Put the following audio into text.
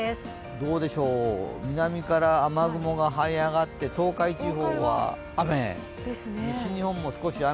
どうでしょう、南から雨雲がはい上がって東海地方は雨、西日本も少し雨。